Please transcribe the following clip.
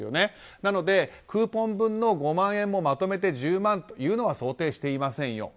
なのでクーポン分の５万円もまとめて１０万というのは想定していませんよと。